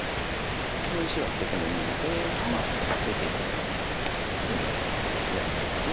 この石は捨ててもいいので出ていっても全然嫌ではないです。